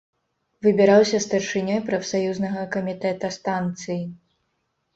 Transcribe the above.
Выбіраўся старшынёй прафсаюзнага камітэта станцыі.